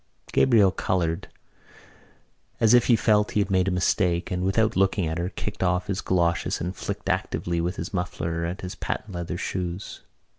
Gabriel coloured as if he felt he had made a mistake and, without looking at her, kicked off his goloshes and flicked actively with his muffler at his patent leather shoes.